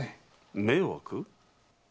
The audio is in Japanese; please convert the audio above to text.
迷惑？